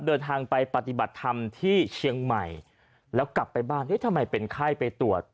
เดินทางไปปฏิบัติธรรมที่เชียงใหม่แล้วกลับไปบ้านเอ๊ะทำไมเป็นไข้ไปตรวจ